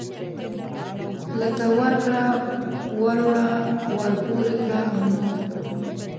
لکه ورکړه وروړه ورپورې کړه او نور.